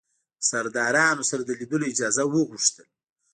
د سردارانو سره د لیدلو اجازه وغوښتل.